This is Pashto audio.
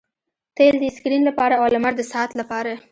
تیل د سکرین لپاره او لمر د ساعت لپاره